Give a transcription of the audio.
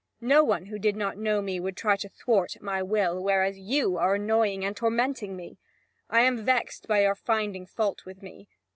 No one, who did not know me, would try to thwart my will; whereas you are annoying and tormenting me. I am vexed by your finding fault with me.